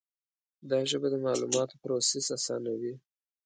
دا ژبه د معلوماتو پروسس آسانوي.